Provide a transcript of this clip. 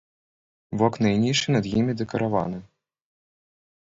Вокны і нішы над імі дэкараваны.